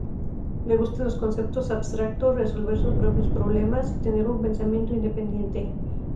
Le gustan los conceptos abstractos, resolver sus propios problemas y tener un pensamiento independiente.